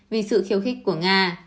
vì sự khiêu khích của nga